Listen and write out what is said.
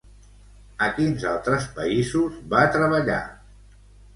A quins altres països va treballar?